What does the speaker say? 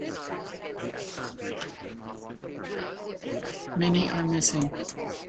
Many are missing.